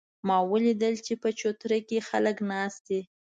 ما ولیدل چې په چوتره کې خلک ناست دي